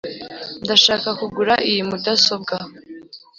ndashaka kugura iyi mudasobwa.